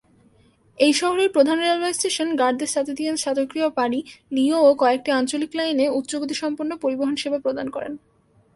এই শহরের প্রধান রেলওয়ে স্টেশন গার দ্য সাঁতেতিয়েন-শাতোক্রোয়া পারি, লিওঁ ও কয়েকটি আঞ্চলিক লাইনে উচ্চ গতিসম্পন্ন পরিবহন সেবা প্রদান করে।